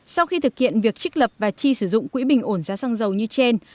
sau khi thực hiện việc trích lập và chi sử dụng quỹ bình ổn giá xăng dầu như trên